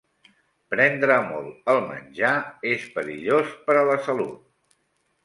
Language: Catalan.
Prendre molt el menjar és perillós per a la salut.